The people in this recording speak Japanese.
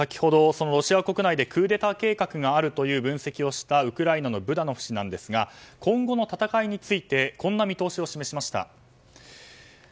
更に先ほど、ロシア国内でクーデター計画があるという分析をしたウクライナのブダノフ氏ですが今後の戦いについてこんな見通しを示しました。